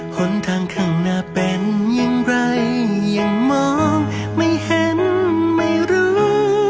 คนข้างข้างหน้าเป็นอย่างไรยังมองไม่เห็นไม่รู้